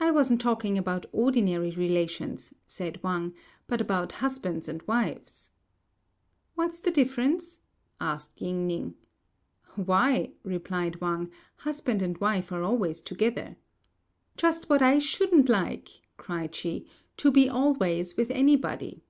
"I wasn't talking about ordinary relations," said Wang, "but about husbands and wives." "What's the difference?" asked Ying ning. "Why," replied Wang, "husband and wife are always together." "Just what I shouldn't like," cried she, "to be always with anybody."